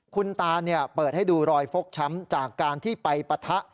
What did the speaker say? คุณตาเปิดให้ดูรอยฟกช้ำจากการที่ไปปะทะ